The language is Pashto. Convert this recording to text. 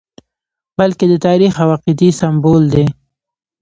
بلکې د تاریخ او عقیدې سمبول دی.